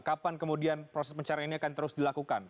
kapan kemudian proses pencarian ini akan terus dilakukan